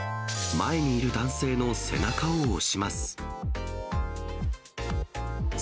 前にいる男性の背中を押します。